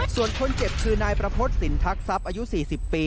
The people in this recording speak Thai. ส่วนคนเจ็บคือนายประพฤติสินทักทรัพย์อายุ๔๐ปี